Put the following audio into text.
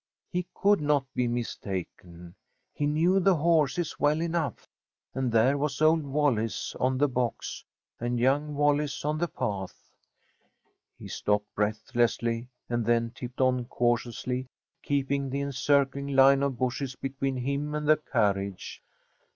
He could not be mistaken; he knew the horses well enough, and there was old Wallis on the box and young Wallis on the path. He stopped breathlessly, and then tipped on cautiously, keeping the encircling line of bushes between him and the carriage.